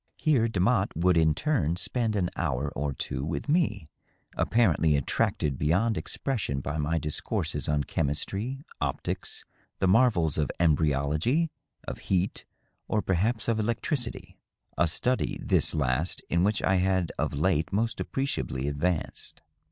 Here Demotte would in turn spend an hour or two with me, apparently attracted beyond expression by my discourses on chemistry, optics, the marvels of embryology, of heat, or perhaps of electricity — ^a study, this last, in which I had of late most appreciably advanced.